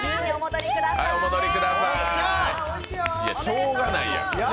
いや、しょうがないやん。